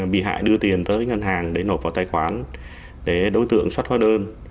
bị hại đưa tiền tới ngân hàng để nộp vào tài khoản để đối tượng xuất hóa đơn